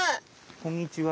こんにちは。